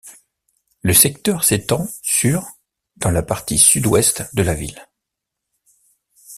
Le secteur s'étend sur dans la partie sud-ouest de la ville.